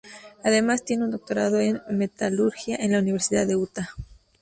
Además tiene un doctorado en Metalurgia en la Universidad de Utah.